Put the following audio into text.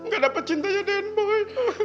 gak dapat cintanya deng boi